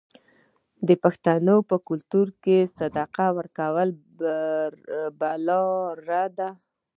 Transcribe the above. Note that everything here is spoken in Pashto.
د پښتنو په کلتور کې صدقه ورکول بلا ردوي.